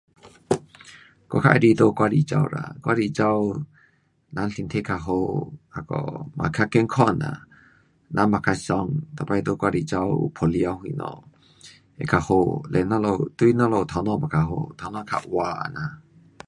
我较喜欢在外里跑啦。外里跑人身体较好，那个嘛较健康呐。人也较爽。每次在外里跑有嗮太阳什么 um 会较好，嘞我们，对我们头脑嘛较好。头脑较活这样。